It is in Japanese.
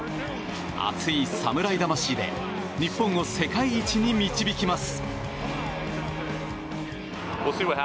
熱い侍魂で日本を世界一に導きます！